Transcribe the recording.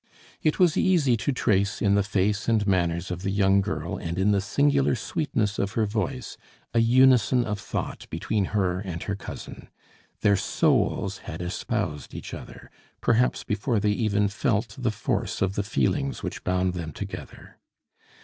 It was easy to trace in the face and manners of the young girl and in the singular sweetness of her voice a unison of thought between her and her cousin. Their souls had espoused each other, perhaps before they even felt the force of the feelings which bound them together.